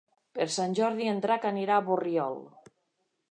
Per Sant Jordi en Drac anirà a Borriol.